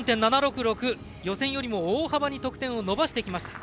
予選よりも大幅に得点を伸ばしてきました。